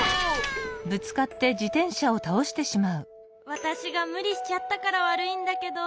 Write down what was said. わたしがむりしちゃったからわるいんだけど。